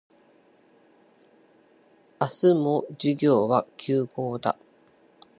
明日も授業は休講だ